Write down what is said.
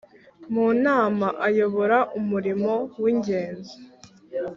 Mu nama ayobora umurimo w ingenzi